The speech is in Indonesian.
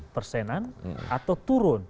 tiga puluh persenan atau turun